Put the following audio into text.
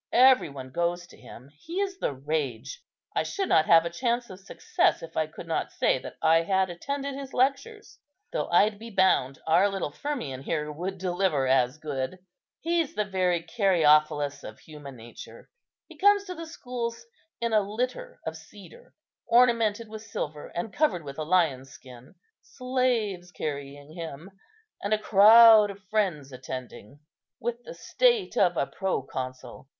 Every one goes to him. He is the rage. I should not have a chance of success if I could not say that I had attended his lectures; though I'd be bound our little Firmian here would deliver as good. He's the very cariophyllus of human nature. He comes to the schools in a litter of cedar, ornamented with silver and covered with a lion's skin, slaves carrying him, and a crowd of friends attending, with the state of a proconsul.